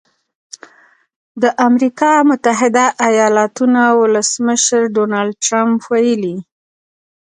د امریکا متحده ایالتونو ولسمشر ډونالډ ټرمپ ویلي